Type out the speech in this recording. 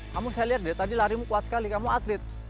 kamu saya lihat deh tadi larimu kuat sekali kamu atlet